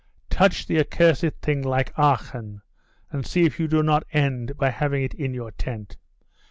Touch the accursed thing, like Achan, and see if you do not end by having it in your tent.